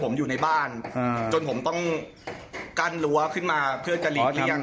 ผมอยู่ในบ้านจนผมต้องกั้นรั้วขึ้นมาเพื่อจะหลีกเลี่ยง